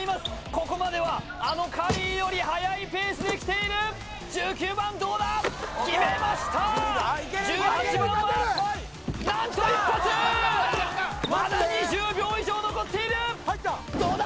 ここまではあのカリーより速いペースできている１９番どうだ決めました１８番は何と一発まだ２０秒以上残っているどうだ